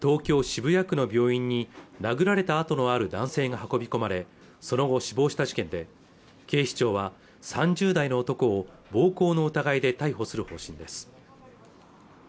渋谷区の病院に殴られた痕のある男性が運び込まれその後死亡した事件で警視庁は３０代の男を暴行の疑いで逮捕する方針です